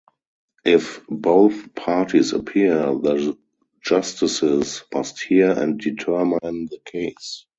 If both parties appear, the justices must hear and determine the case.